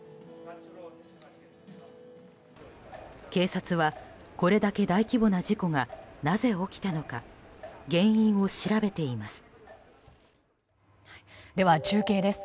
警察は、これだけ大規模な事故がなぜ起きたのか原因を調べています。